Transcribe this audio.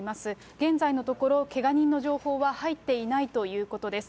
現在のところ、けが人の情報は入っていないということです。